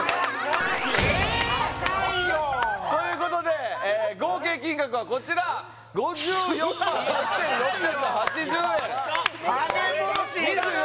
高いよということで合計金額はこちら５４万８６８０円高いよ！